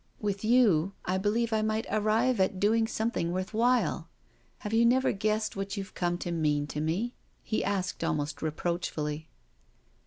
With you, I believe I might arrive at doing something worth while. Have you never guessed what you've come to mean to me?" he asked almost reproachfully.